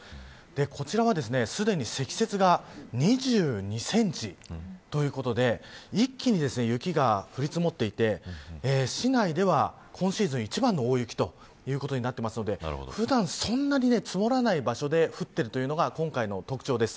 こちらはすでに、積雪が２２センチということで一気に雪が降り積もっていて市内では今シーズン一番の大雪ということになっているので普段、そんなに積もらない場所で降っているというのが今回の特徴です。